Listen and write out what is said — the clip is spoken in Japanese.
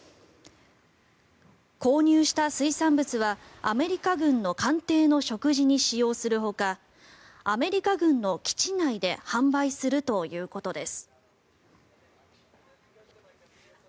購入した水産物はアメリカ軍の艦艇の食事に使用するほかアメリカ軍の基地内で販売するということです。